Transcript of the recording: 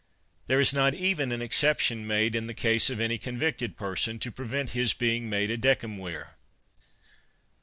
There is not even an exception made in the case of any con victed person, to prevent his being made a decem vir.